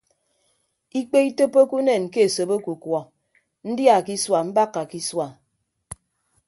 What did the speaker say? Ikpe itoppoke unen ke esop ọkukuọ ndia ke isua mbakka ke isua.